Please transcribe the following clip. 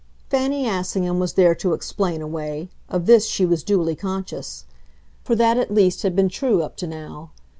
Fanny Assingham was there to explain away of this she was duly conscious; for that at least had been true up to now.